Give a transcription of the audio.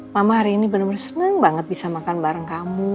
mama hari ini benar benar senang banget bisa makan bareng kamu